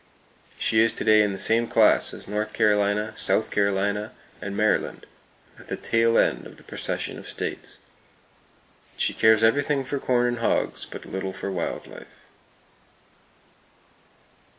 She is to day in the same class as North Carolina, South Carolina and Maryland,—at the tail end of the procession of states. She cares everything for corn and hogs, but little for wild life.